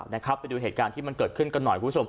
ไปดูเหตุการณ์ที่มันเกิดขึ้นกันหน่อย